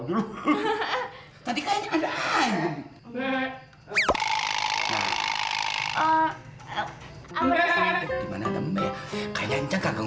udah bikin orang tuh